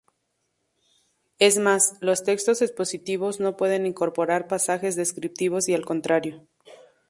Es más, los textos expositivos no pueden incorporar pasajes descriptivos y al contrario.